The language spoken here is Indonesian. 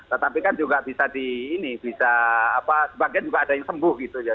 tetapi kan juga bisa di ini bisa sebagian juga ada yang sembuh gitu ya